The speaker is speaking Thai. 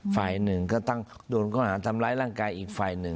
ฝ่ายหนึ่งก็ต้องโดรค์